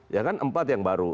ya kan empat yang baru